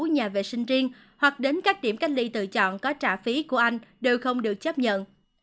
nhà vệ sinh riêng hoặc đến các điểm cách ly tự chọn có trả phí của anh đều không được chấp nhận